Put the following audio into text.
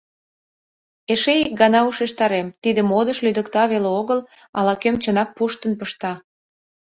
— Эше ик гана ушештарем: тиде модыш лӱдыкта веле огыл, ала-кӧм чынак пуштын пышта.